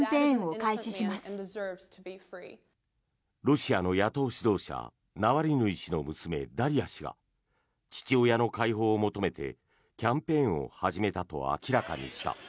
ロシアの野党指導者ナワリヌイ氏の娘、ダリヤ氏が父親の解放を求めてキャンペーンを始めたと明らかにした。